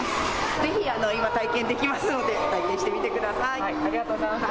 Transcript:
ぜひ今、体験できますので体験してみてくださいありがとうございます。